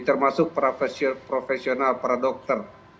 termasuk profesional para dokter